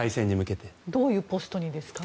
どういうポストにですか？